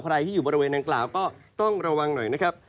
ใครที่อยู่บริเวณนางกล่าวก็ต้องระวังหน่อยนะครับ